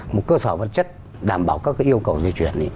một cơ sở vật chất đảm bảo các yêu cầu di chuyển